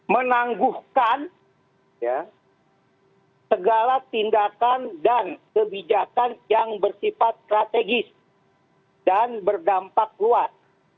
menangguhkan segala tindakan dan kebijakan yang bersifat strategis dan berdampak luas